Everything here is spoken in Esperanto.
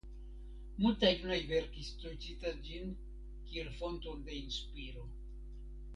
Multaj junaj verkistoj citas ĝin kiel fonton de inspiro.